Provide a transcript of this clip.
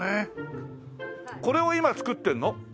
これを今作ってるの？